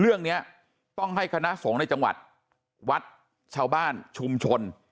เรื่องนี้ต้องให้คณะสงฆ์ในจังหวัดวัดชาวบ้านชุมชน